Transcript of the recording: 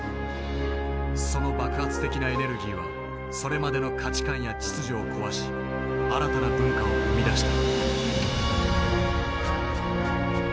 その爆発的なエネルギーはそれまでの価値観や秩序を壊し新たな文化を生み出した。